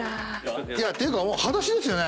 ていうかはだしですよね